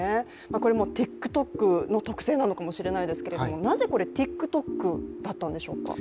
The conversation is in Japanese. これもＴｉｋＴｏｋの特性なのかもしれないですけどなぜこれ、ＴｉｋＴｏｋだったんでしょうか？